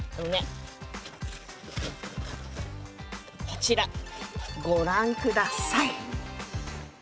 こちらご覧下さい。